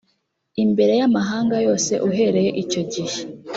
imbere y amahanga yose uhereye icyo gihe